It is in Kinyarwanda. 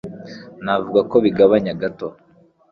Navuga ko bigabanya gato.